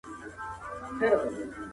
کورنۍ چي همکاري کوي بریالۍ ده.